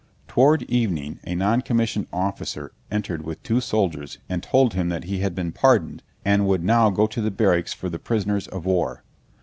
Toward evening a noncommissioned officer entered with two soldiers and told him that he had been pardoned and would now go to the barracks for the prisoners of war.